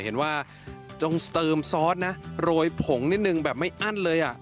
เห็นว่าต้องเติมซอสนะโรยผงนิดนึงแบบไม่อั้นเลยอ่ะ